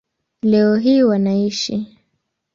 Leo hii wanaishi